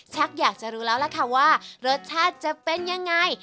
อยากจะรู้แล้วล่ะค่ะว่ารสชาติจะเป็นยังไง